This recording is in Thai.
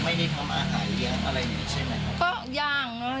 ไม่ได้ทำอาหารเลี้ยวอะไรเลยใช่ไหมค่ะ